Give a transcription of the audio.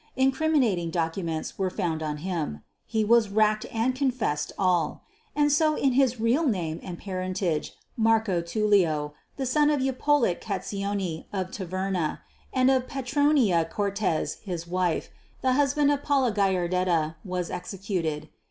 Incriminating documents were found on him. He was racked and confessed all. And so in his real name and parentage, Marco Tullio, son of Ippolit Catizzone of Taverna, and of Petronia Cortes his wife, and husband of Paula Gallardetta was executed.